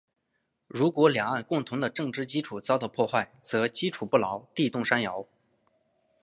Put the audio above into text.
如果两岸共同的政治基础遭到破坏，则基础不牢，地动山摇。